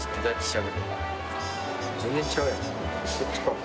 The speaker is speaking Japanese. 全然ちゃうねん。